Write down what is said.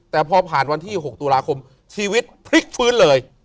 แต่พอผ่านวันที่๖ตุลาคมชีวิตพลิกฟื้นเลย